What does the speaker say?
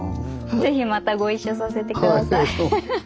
是非またご一緒させて下さい。